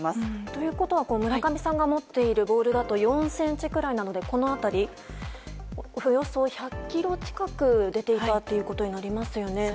ということは村上さんが持っているボールだと４ｃｍくらいなのでおよそ１００キロ近く出ていたということになりますね。